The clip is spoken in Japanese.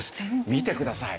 見てください。